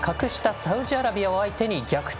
サウジアラビアを相手に逆転